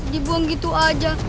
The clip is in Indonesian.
dibuang gitu aja